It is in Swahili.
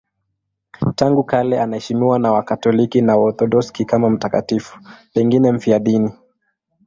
Tangu kale anaheshimiwa na Wakatoliki na Waorthodoksi kama mtakatifu, pengine mfiadini.